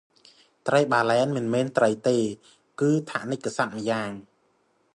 ត្រីបាឡែនមិនមែនត្រីទេ គឺថនិកសត្វម្យ៉ាង ។